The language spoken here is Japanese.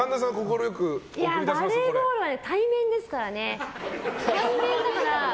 バレーボールは対面ですからね。